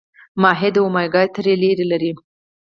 ماهي د اومیګا تري لري